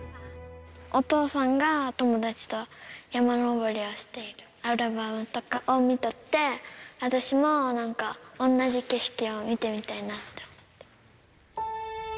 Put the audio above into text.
お父さんが友達と山登りをしているアルバムとかを見とって、私もなんか同じ景色を見てみたいなって思った。